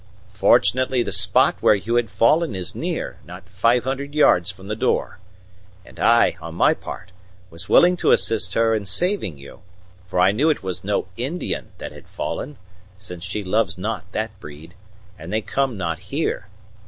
Fortunately the spot where you had fallen is near not five hundred yards from the door. And I, on my part, was willing to assist her in saving you; for I knew it was no Indian that had fallen, since she loves not that breed, and they come not here.